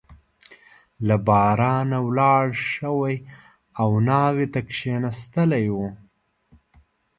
له بارانه ولاړ شوی او ناوې ته کښېنستلی وو.